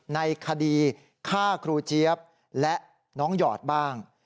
ในคดีฆ่าครูเจี๊ยบและน้องหยอดบ้าง